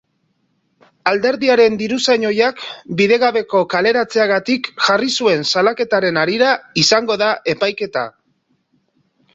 Alderdiaren diruzain ohiak bidegabeko kaleratzeagatik jarri zuen salaketaren harira izango da epaiketa.